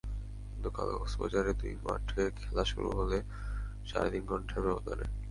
কিন্তু কাল কক্সবাজারে দুই মাঠে খেলা শুরু হলো সাড়ে তিন ঘণ্টার ব্যবধানে।